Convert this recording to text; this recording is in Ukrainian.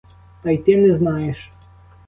Та й ти не знаєш.